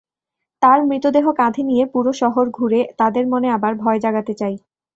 তার মৃতদেহ কাঁধে নিয়ে পুরো শহর ঘুরে তাদের মনে আবার ভয় জাগাতে চাই।